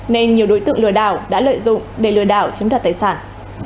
nên nhiều đối tượng lừa đảo đã lợi dụng để lừa đảo chiếm đoạt tài sản